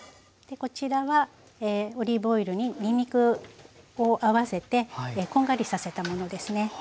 こちらはオリーブオイルににんにくを合わせてこんがりさせたものですね。